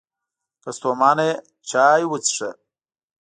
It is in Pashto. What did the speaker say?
که ستومانه یې، چای وڅښه!